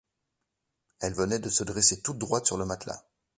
Elle venait de se dresser toute droite sur le matelas.